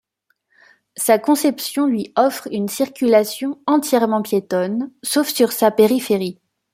Sa conception lui offre une circulation entièrement piétonne sauf sur sa périphérie.